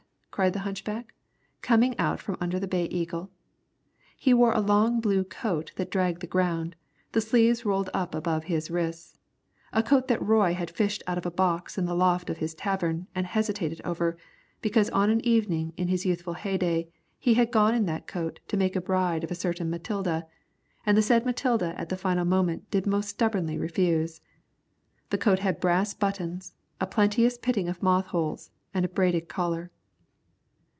cried the hunchback, coming out from under the Bay Eagle. He wore a long blue coat that dragged the ground, the sleeves rolled up above his wrists, a coat that Roy had fished out of a box in the loft of his tavern and hesitated over, because on an evening in his youthful heyday, he had gone in that coat to make a bride of a certain Mathilda, and the said Mathilda at the final moment did most stubbornly refuse. The coat had brass buttons, a plenteous pitting of moth holes, and a braided collar.